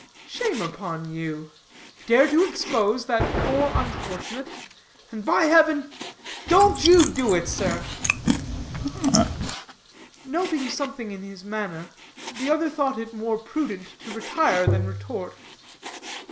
"Shame upon you. Dare to expose that poor unfortunate, and by heaven don't you do it, sir." Noting something in his manner, the other thought it more prudent to retire than retort.